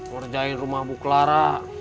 mernjahil rumah bu klara